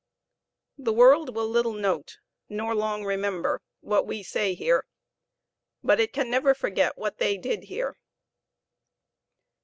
The world will little note, nor long remember, what we say here, but it can never forget what they did here.